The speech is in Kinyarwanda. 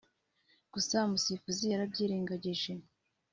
gusa umusifuzi yarabyirengagije